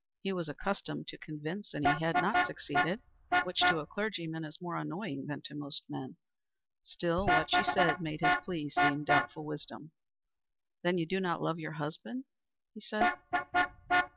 He was accustomed to convince, and he had not succeeded, which to a clergyman is more annoying than to most men. Still what she said made his plea seem doubtful wisdom. "Then you do not love your husband?" he said.